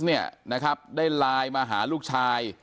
เนี่ยนะครับได้ไลน์มาหาลูกชาย